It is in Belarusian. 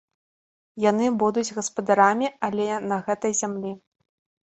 Яны будуць гаспадарамі, але на гэтай зямлі.